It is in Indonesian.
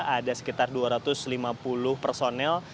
ada sekitar dua ratus lima puluh personel